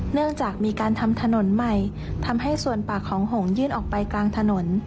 เนื่องจากมีการทำถนนใหม่ทำให้ส่วนปากของหงยื่นออกไปกลางถนน